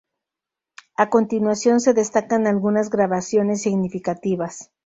A continuación se destacan algunas grabaciones significativas.